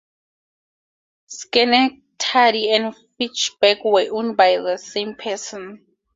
Schenectady and Fitchburg were owned by the same person.